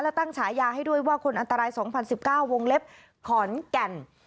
และตั้งฉายาให้ด้วยว่าคนอันตราย๒๐๑๙วงเล็บขอนแก่น